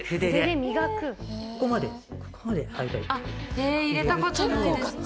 へぇ入れたことないです。